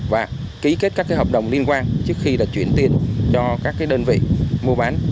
và ký kết các hợp đồng liên quan trước khi là chuyển tiền cho các đơn vị mua bán